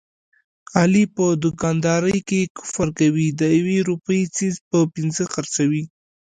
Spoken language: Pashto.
علي په دوکاندارۍ کې کفر کوي، د یوې روپۍ څیز په پینځه خرڅوي.